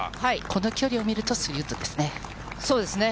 この距離を見ると、スリーウッドですね。